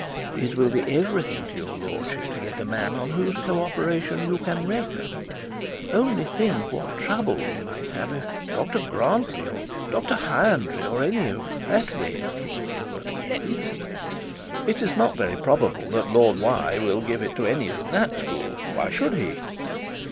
'It will be everything to your lordship to get a man on whose co operation you can reckon. Only think what trouble we might have if Dr Grantly, or Dr Hyandry, or any of that way of thinking, were to get it.' 'It is not very probable that Lord will give it to any of that school; why should he?'